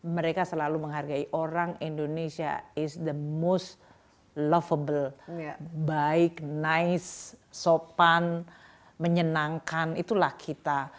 mereka selalu menghargai orang indonesia is the most lovable baik nice sopan menyenangkan itulah kita